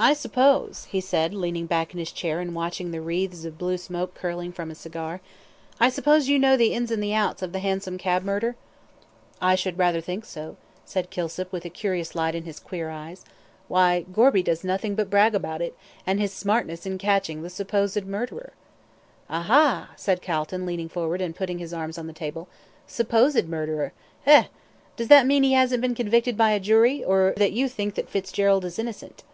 "I suppose," he said, leaning back in his chair, and watching the wreaths of blue smoke curling from his cigar, "I suppose you know all the ins and the outs of the hansom cab murder?" "I should rather think so," said Kilsip, with a curious light in his queer eyes. "Why, Gorby does nothing but brag about it, and his smartness in catching the supposed murderer!" "Aha!" said Calton, leaning forward, and putting his arms on the table. "Supposed murderer. Eh! Does that mean that he hasn't been convicted by a jury, or that you think that Fitzgerald is innocent?"